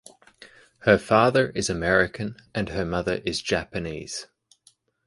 Her father is American and her mother is Japanese.